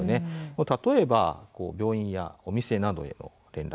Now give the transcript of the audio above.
例えば、病院やお店などへの連絡